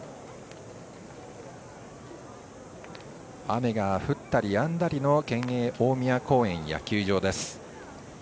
雨が降ったりやんだりの県営大宮公園野球場です。